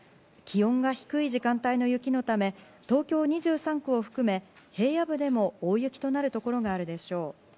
気温が低い時間帯の雪のため東京２３区を含め平野部でも大雪となるところがあるでしょう。